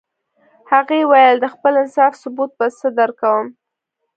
هغې ویل د خپل انصاف ثبوت به څه درکوم